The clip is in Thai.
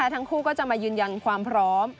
ทั้งคู่ก็จะมายืนยันความพร้อม